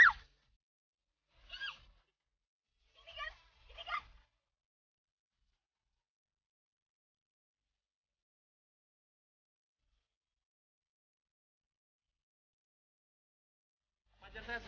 oh kalau mbak gak jadi